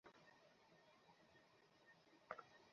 ফুলবেড়ের বাড়িতে তাহার মা ছিল না, তবু পিসি মাসি অন্য পাঁচজন ছিল।